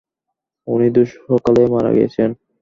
উনিতো সকালে মারা গেছেন।